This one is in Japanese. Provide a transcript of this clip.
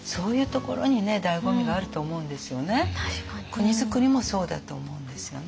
国づくりもそうだと思うんですよね。